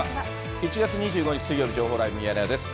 １月２５日水曜日、情報ライブミヤネ屋です。